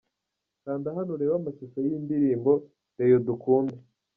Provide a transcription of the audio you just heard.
Kanda hano urebe amashusho y'iyi ndirimbo 'Rayon dukunda' .